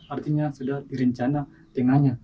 artinya sudah direncana tengahnya